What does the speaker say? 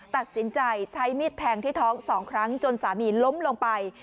ตัดสินใจใช้มีดแทงที่ท้อง๒ครั้งจนสามีล้มลงไป